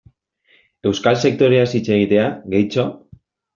Euskal sektoreaz hitz egitea, gehitxo?